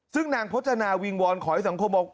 ซึ่งนางพจนาวิงวอนขอให้สังคมบอก